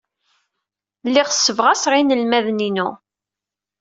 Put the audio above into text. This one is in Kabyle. Lliɣ ssebɣaseɣ inelmaden-inu.